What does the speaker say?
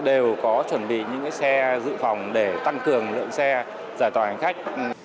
đều có chuẩn bị những xe dự phòng để tăng cường lượng xe giải tỏa hành khách